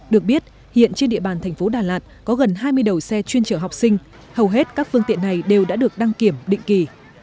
được biết hiện trên địa bàn thành phố đà lạt có gần hai mươi đầu xe chuyên chở học sinh hầu hết các phương tiện này đều đã được đăng kiểm định kỳ